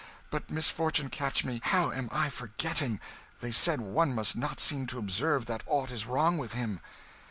But misfortune catch me, how am I forgetting! They said one must not seem to observe that aught is wrong with him."